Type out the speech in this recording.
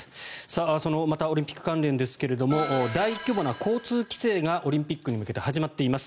そのオリンピック関連ですが大規模な交通規制がオリンピックに向けて始まっています。